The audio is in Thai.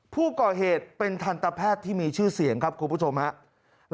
ผู้ก่อเหตุเป็นทันตแพทย์ที่มีชื่อเสียงครับคุณผู้ชมครับ